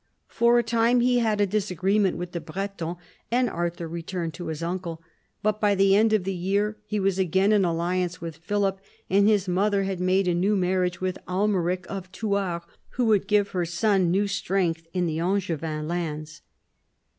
For a time he had a disagreement with the Bretons, and Arthur returned to his uncle ; but by the end of the year he was again in alliance with Philip, and his mother had made a new marriage with Almeric of Thouars, who would give her son new strength in the Angevin lands.